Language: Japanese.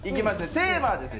テーマはですね